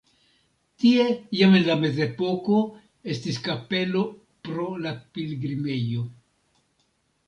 Tie jam en la mezepoko estis kapelo pro la pilgrimejo.